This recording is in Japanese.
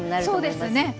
そうですね。